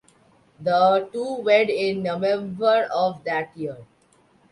The two wed in November of that year.